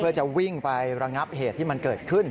เพื่อจะวิ่งไประงับเหตุที่มันเกิดขึ้น